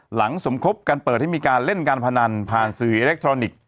สมคบกันเปิดให้มีการเล่นการพนันผ่านสื่ออิเล็กทรอนิกส์